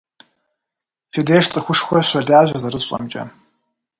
Фи деж цӀыхушхуэ щолажьэ, зэрысщӀэмкӀэ.